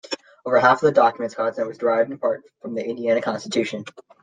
Over half of the document's content was derived in part from the Indiana constitution.